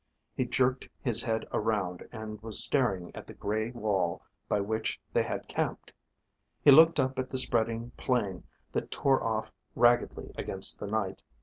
He jerked his head around, and was staring at the gray wall by which they had camped. He looked up at the spreading plane that tore off raggedly against the night.